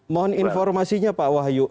mohon informasinya pak wahyu